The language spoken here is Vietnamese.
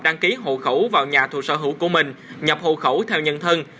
đăng ký hộ khẩu vào nhà thu sở hữu của mình nhập hộ khẩu theo nhân thân